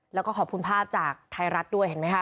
แล้วก็ขอบคุณภาพจากไทยรัฐด้วยเห็นไหมคะ